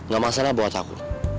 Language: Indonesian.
gak masalah buat aku